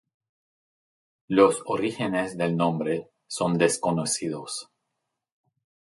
Los orígenes del nombre son desconocidos.